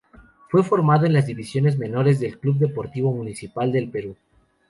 Fue formado en las divisiones menores del club Deportivo Municipal del Perú.